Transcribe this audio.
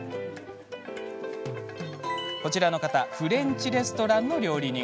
こちらの方フレンチレストランの料理人。